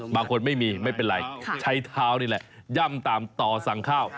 ไม่มีไม่เป็นไรใช้เท้านี่แหละย่ำตามต่อสั่งข้าว